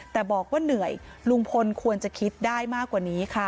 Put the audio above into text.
แต่บอกว่าเหนื่อยลุงพลควรจะคิดได้มากกว่านี้ค่ะ